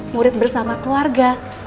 murid bersama keluarga